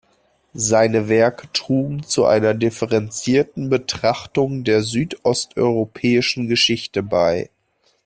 Seine Werke trugen zu einer differenzierten Betrachtung der südosteuropäischen Geschichte bei.